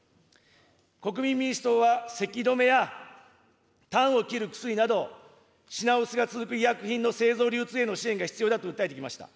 国民民主党は、せき止めやたんを切る薬など、品薄が続く医薬品の製造流通への支援が必要だと訴えてきました。